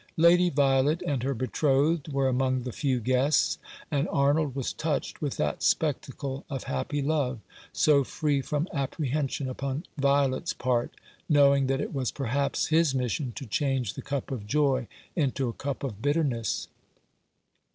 Lady Violet and her betrothed were among the 300 For the Happiness of the Greatest Number, few guests, and Arnold was touched with that spectacle of happy love, so free from apprehension upon Violet's part, knowing that it was perhaps his mission to change the cup of joy into a cup of bitterness.